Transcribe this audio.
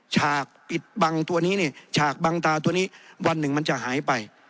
ฉากปิดบังตัวนี้เนี่ยฉากบังตาตัวนี้วันหนึ่งมันจะหายไป